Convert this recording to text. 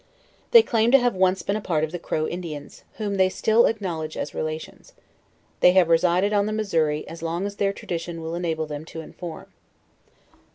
They claim to have once been a part of the Crow Indians, whom they still ac knowledge as relations. They have resided on the Missouri as long as their tradition will enable them to inform.